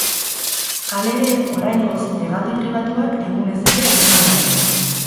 Halere, oraingoz, hegaldi pribatuak egunez ere egongo dira.